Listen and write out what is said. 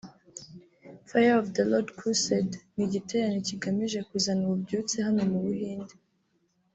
"Fire of the Lord Crusade ni igiterane kigamije kuzana ububyutse hano mu Buhinde